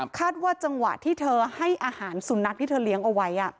คาดว่าจังหวะที่เธอให้อาหารสุนัขที่เธอเลี้ยงเอาไว้